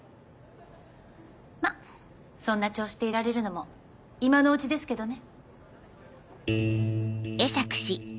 まっそんな調子でいられるのも今のうちですけどね。